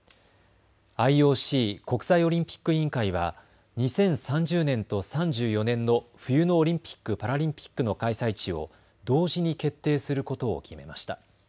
ＩＯＣ・国際オリンピック委員会は２０３０年と３４年の冬のオリンピック・パラリンピックの開催地を同時に決定することを決めました。